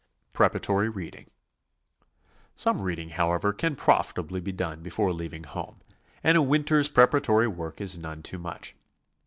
PREPARATORY READING. Some reading, however, can profitably be done before leaving home, and a winter's preparatory work is none too much.